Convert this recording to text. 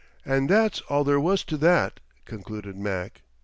"And that's all there was to that," concluded Mac.